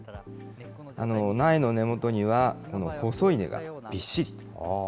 苗の根元には、細い根がびっしり。